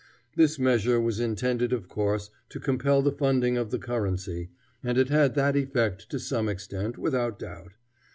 This measure was intended, of course, to compel the funding of the currency, and it had that effect to some extent, without doubt.